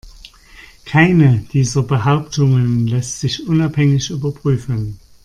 Keine dieser Behauptungen lässt sich unabhängig überprüfen.